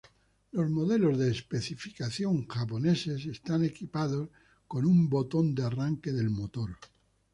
Los modelos de especificación japoneses están equipados con un botón de arranque del motor.